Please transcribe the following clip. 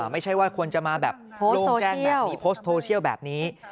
ไม่ใช่ว่าควรจะมาแบบโล่งแจ้งแบบนี้โพสต์โทเชียลแบบนี้